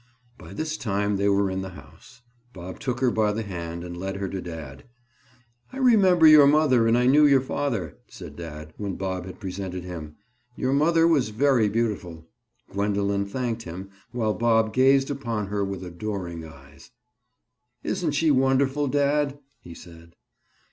By this time they were in the house. Bob took her by the hand and led her to dad. "I remember your mother and I knew your father," said dad, when Bob had presented him. "Your mother was very beautiful." Gwendoline thanked him, while Bob gazed upon her with adoring eyes. "Isn't she wonderful, dad?" he said.